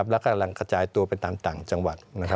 และกำลังกระจายตัวไปตามต่างจังหวัด